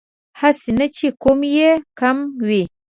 هسې نه چې کوم يې کم وي